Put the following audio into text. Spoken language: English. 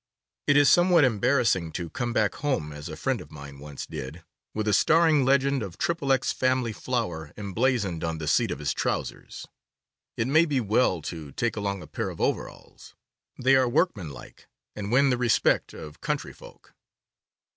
It is some what embarrassing to come back home, as a friend of mine once did, with a staring legend of XXX FAMILY FLOUR emblazoned on the seat of his trousers. It may be well to take along a pair of overalls; they are workmanlike and win the respect of country folk.